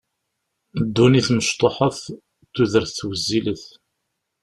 Ddunit mecṭuḥet, tudert wezzilet.